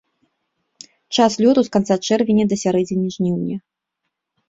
Час лёту з канца чэрвеня да сярэдзіны жніўня.